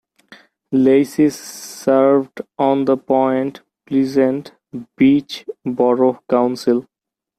Lacey served on the Point Pleasant Beach Borough Council.